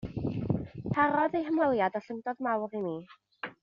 Parodd eu hymweliad ollyngdod mawr i mi.